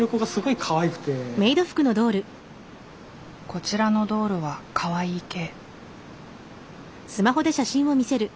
こちらのドールはかわいい系。